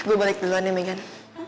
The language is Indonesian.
gue balik duluan ya megan